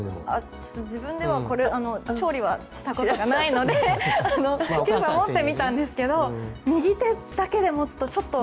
自分では調理はしたことがないので持ってみたんですが右手だけで持つとちょっと。